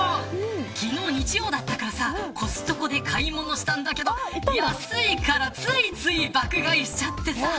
昨日、日曜だったからさコストコで買い物したんだけど安いからついつい爆買いしちゃってさ。